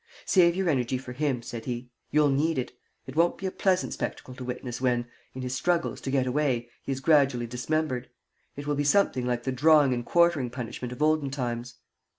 "Save your energy for him," said he. "You'll need it. It won't be a pleasant spectacle to witness when, in his struggles to get away, he is gradually dismembered. It will be something like the drawing and quartering punishment of olden times."